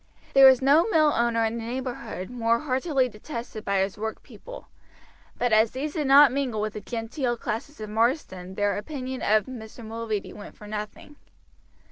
There was no mill owner in the neighborhood more heartily detested by his workpeople; but as these did not mingle with the genteel classes of Marsden their opinion of Mr. Mulready went for nothing.